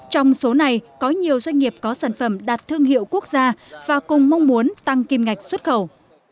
trong số này có nhiều doanh nghiệp có sản phẩm đạt thương hiệu quốc gia và cùng mong muốn tăng kim ngạch xuất khẩu